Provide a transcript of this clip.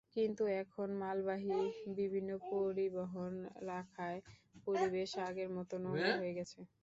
কিন্তু এখন মালবাহী বিভিন্ন পরিবহন রাখায় পরিবেশ আগের মতো নোংরা হয়ে গেছে।